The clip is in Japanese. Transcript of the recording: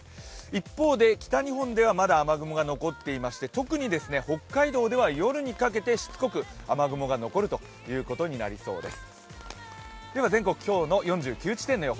一方で北日本ではまだ雨雲が残っていまして、特に北海道では夜かけてしつこく雨雲が残るということになりそうです。